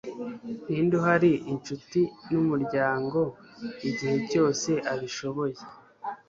ninde uhari inshuti n'umuryango igihe cyose abishoboye